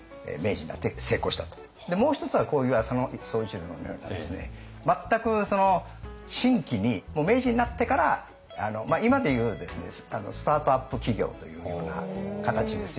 でもう一つはこういう浅野総一郎のようなですね全く新規にもう明治になってから今でいうスタートアップ企業というような形ですよね。